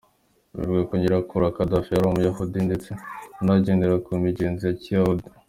Bivugwa ko nyirakuru wa Gaddafi yari Umuyahudi ndetse unagendera ku migenzo ya kiyahudi.